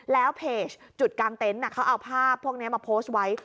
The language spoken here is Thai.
แล้วเพจจุดกลางเต็นต์เขาเอาภาพพวกนี้มาโพสต์ไว้